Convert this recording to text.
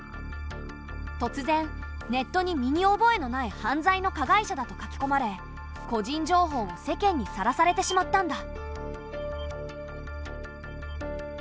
突然ネットに身に覚えのない犯罪の加害者だと書き込まれ個人情報を世間にさらされてしまったんだ。